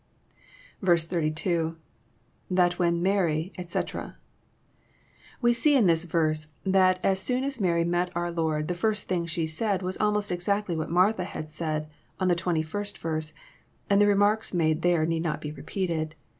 82.— [That when Mary, etc.'] We see in this verse that as soon as Mary met our Lord, the first thing she said was almost exactly what Martha had said in the twenty first verse, and the remarks made there need not be repeated.